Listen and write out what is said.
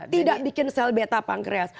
tidak bikin sel beta pankreas